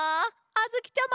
あづきちゃま！